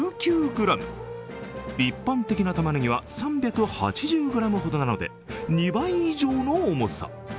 一般的なたまねぎは３８０ｇほどなので、２倍以上の重さ。